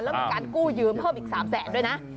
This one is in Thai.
แล้วมีการกู้ยืมเพิ่มอีก๓แสนด้วยนะ